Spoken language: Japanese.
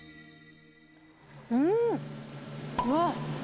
うーん、うわっ。